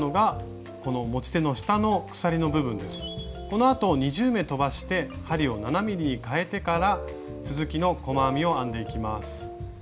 このあと２０目とばして針を７ｍｍにかえてから続きの細編みを編んでいきます。